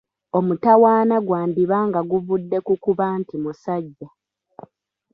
Omutawaana gwandiba nga guvudde ku kuba nti musajja.